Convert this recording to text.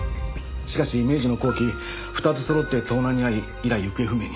しかし明治の後期２つそろって盗難に遭い以来行方不明に。